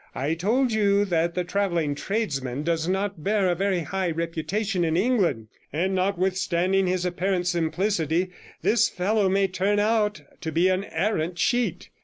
I told you that the travelling tradesman does not bear a very high reputation in England; and notwithstanding his apparent simplicity, this fellow may turn out to be an arrant cheat.